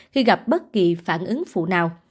khi gặp bất kỳ phản ứng phụ nào